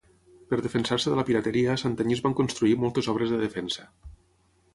Per defensar-se de la pirateria a Santanyí es van construir moltes obres de defensa.